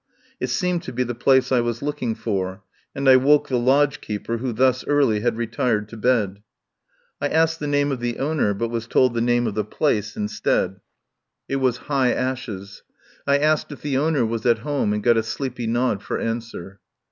It seemed to be the place I was looking for, and I woke the lodge keeper, who thus early had retired to bed. I asked the name of the owner, but was told the name of the place instead — it was 59 THE POWER HOUSE High Ashes. I asked if the owner was at home, and got a sleepy nod for answer.